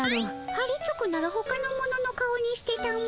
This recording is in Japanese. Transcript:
はりつくならほかの者の顔にしてたも。